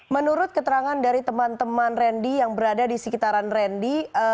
menurut keterangan dari teman teman randy yang berada di sekitaran randy